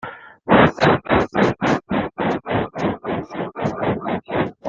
C'est l'actrice anglaise qui interprète Grace Dalrymple Elliott.